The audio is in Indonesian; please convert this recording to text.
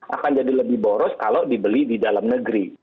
akan jadi lebih boros kalau dibeli di dalam negeri